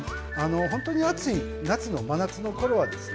ほんとに暑い夏の真夏のころはですね